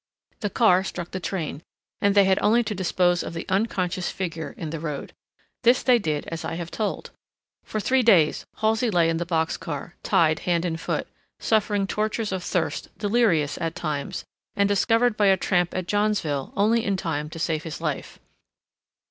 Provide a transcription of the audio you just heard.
The car struck the train, and they had only to dispose of the unconscious figure in the road. This they did as I have told. For three days Halsey lay in the box car, tied hand and foot, suffering tortures of thirst, delirious at times, and discovered by a tramp at Johnsville only in time to save his life.